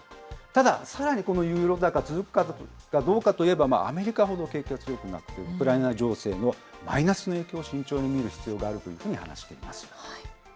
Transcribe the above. ただ、さらにこのユーロ高続くかどうかといえば、アメリカほど景気は強くなく、ウクライナ情勢のマイナスの影響を慎重に見る必要があると話しています。